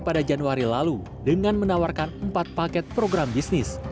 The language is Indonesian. pada januari lalu dengan menawarkan empat paket program bisnis